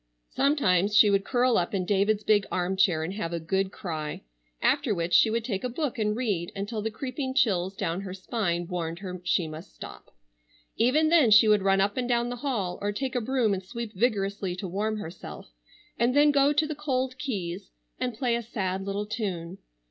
Sometimes she would curl up in David's big arm chair and have a good cry, after which she would take a book and read until the creeping chills down her spine warned her she must stop. Even then she would run up and down the hall or take a broom and sweep vigorously to warm herself and then go to the cold keys and play a sad little tune.